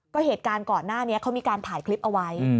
ก็เหตุการณ์ก่อนหน้านี้เขามีการถ่ายคลิปเอาไว้